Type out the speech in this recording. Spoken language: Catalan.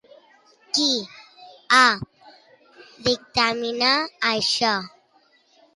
Qui ha dictaminat això?